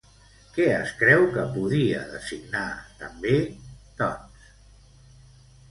Què es creu que podia designar també, doncs?